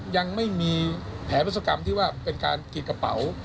ยังไม่มีแผลวัศกรรมที่ว่าเป็นการกรีดกระเป๋า